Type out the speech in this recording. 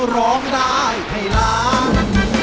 ร้องได้ให้ล้าน